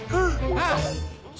あっ！